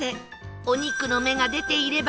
お肉の目が出ていれば